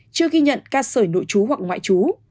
chưa ghi nhận ca sởi nội chú hoặc ngoại chú